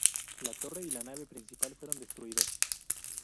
La torre y la nave principal fueron destruidos.